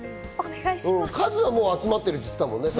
数はもう集まってるって言ってたもんね。